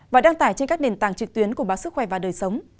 và đăng tải trên các nền tảng trực tuyến của báo sức khỏe và đời sống